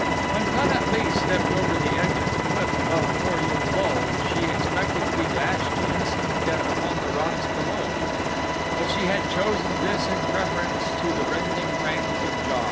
When Pan at lee stepped over the edge of the cliff above Kor ul lul she expected to be dashed to instant death upon the rocks below; but she had chosen this in preference to the rending fangs of JA.